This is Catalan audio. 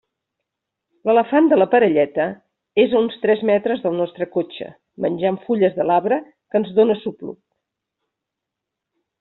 L'elefant de la parelleta és a uns tres metres del nostre cotxe menjant fulles de l'arbre que ens dóna sopluig.